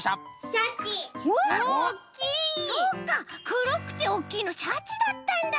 くろくておっきいのシャチだったんだ。